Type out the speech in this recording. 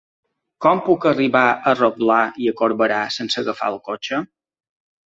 Com puc arribar a Rotglà i Corberà sense agafar el cotxe?